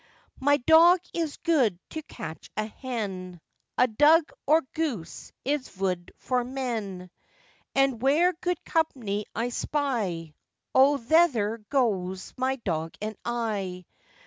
My dog is good to catch a hen; A dug or goose is vood for men; And where good company I spy, O thether gwoes my dog and I.